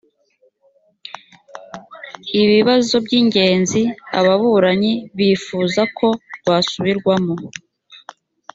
ibibazo by’ingenzi ababuranyi bifuza ko rwasubirwamo